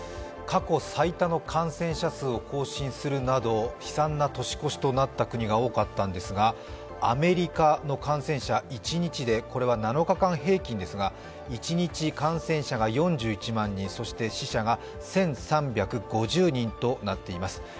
過去最多の感染者数を更新するなど悲惨な年越しとなった国が多かったんですが、アメリカの感染者、一日で、７日間平均ですが、一日感染者が４１万人そして死者が１３５０人となっています。